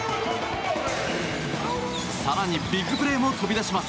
更にビッグプレーも飛び出します。